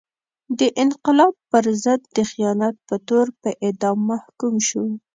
د انقلاب پر ضد د خیانت په تور په اعدام محکوم شو.